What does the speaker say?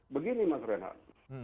begini mas renan